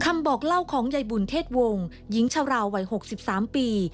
คำบอกเล่าของยายบุญเทศวงศ์หญิงชาวราวัย๖๓ปี